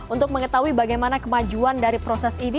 untuk mengetahui bagaimana kemajuan dari proses ini